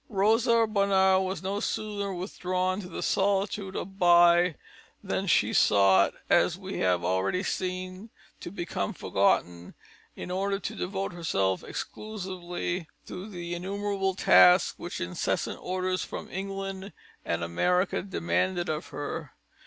Rosa Bonheur had no sooner withdrawn to the solitude of By than she sought, as we have already seen, to become forgotten, in order to devote herself exclusively to the innumerable tasks which incessant orders from England and America demanded of her.